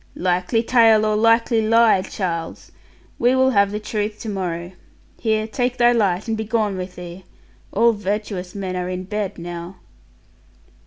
'Likely tale, or likely lie, Charles! We will have the truth to morrow. Here take thy light, and be gone with thee. All virtuous men are in bed now.'